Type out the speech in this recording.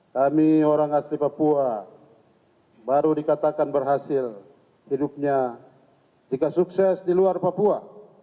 kami orang asli papua baru dikatakan berhasil hidupnya jika sukses di luar papua